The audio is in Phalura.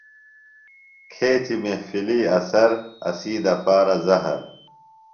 کھیچیۡ محفلی اثر ، اسی دپارہ زہر